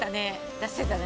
出してたね。